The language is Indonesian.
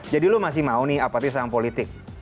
jadi lo masih mau nih apatir sama politik